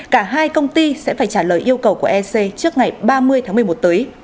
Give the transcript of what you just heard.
cả hai công ty sẽ phải trả lời yêu cầu của ec trước ngày ba mươi tháng một mươi một tới